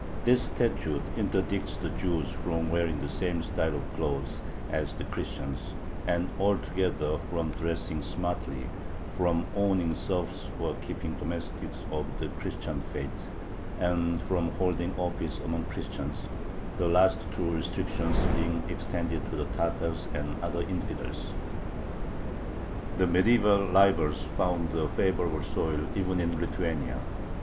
This "statute" interdicts the Jews from wearing the same style of clothes as the Christians and altogether from dressing smartly, from owning serfs or keeping domestics of the Christian faith, and from holding office among Christians, the last two restrictions being extended to the Tatars and other "infidels." The medieval libels found a favorable soil even in Lithuania.